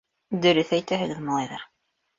— Дөрөҫ әйтәһегеҙ, малайҙар.